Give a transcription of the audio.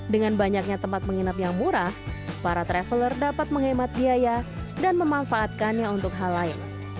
dengan banyaknya tempat menginap yang murah para traveler dapat menghemat biaya dan memanfaatkannya untuk hal lain